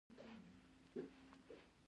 له هر رنګ را جلا شوم